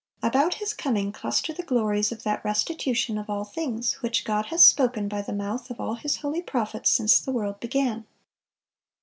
(460) About His coming cluster the glories of that "restitution of all things, which God hath spoken by the mouth of all His holy prophets since the world began."